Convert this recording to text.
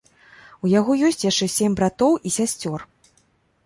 У яго ёсць яшчэ сем братоў і сясцёр.